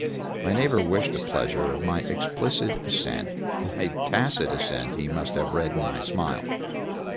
My neighbor wished the pleasure of my explicit assent; my tacit assent he must have read in my smile.